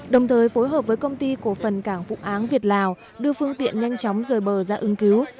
đồng thời phối hợp với công ty cổ phần cảng vụ áng việt lào đưa phương tiện nhanh chóng rời bờ ra ứng cứu